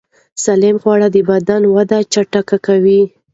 سالم خواړه د بدن وده چټکوي.